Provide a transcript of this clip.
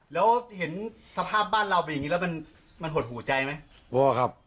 แล้วเห็นสภาพบ้านเราเป็นอย่างนี้แล้วมันหดหูใจไหมวอครับ